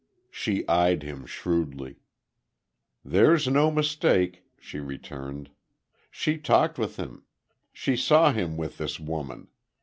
She eyed him shrewdly. "There's no mistake" she returned. "She talked with him. She saw him with this woman.